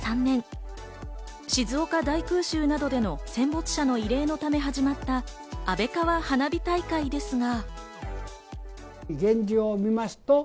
静岡大空襲などでの戦没者の慰霊のため始まった安倍川花火大会ですが。